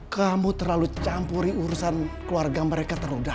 kamu terlalu campuri urusan keluarga mereka terlalu dalam